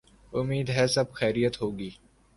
امید ہے سب خیریت ہو گی۔